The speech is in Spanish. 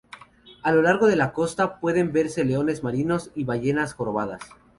A lo largo de la costa, pueden verse leones marinos y ballenas jorobadas.